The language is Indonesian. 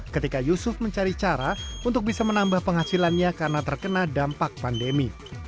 ketika yusuf mencari cara untuk bisa menambah penghasilannya karena terkena dampak pandemi